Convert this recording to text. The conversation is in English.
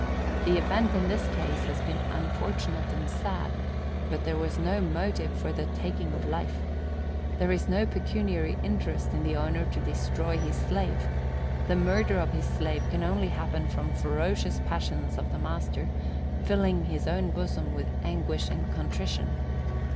The event in this case has been unfortunate and sad; but there was no motive for the taking of life. There is no pecuniary interest in the owner to destroy his slave; the murder of his slave can only happen from ferocious passions of the master, filling his own bosom with anguish and contrition.